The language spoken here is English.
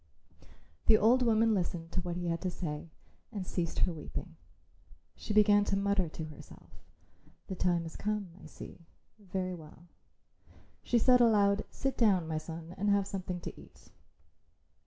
The old woman listened to what he had to say and ceased her weeping. She began to mutter to herself, "The time has come, I see. Very well," she said aloud; "sit down, my son, and have something to eat."